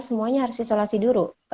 semuanya harus isolasi dulu